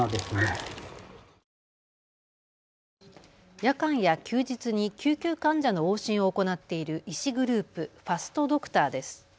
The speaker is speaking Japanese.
夜間や休日に救急患者の往診を行っている医師グループ、ファストドクターです。